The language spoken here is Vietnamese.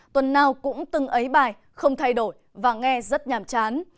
tuần nào cũng từng ấy bài không thay đổi và nghe rất nhàm chán